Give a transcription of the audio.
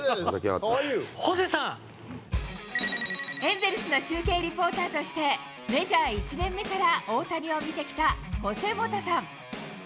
エンゼルスの中継リポーターとして、メジャー１年目から大谷を見てきたホセ・モタさん。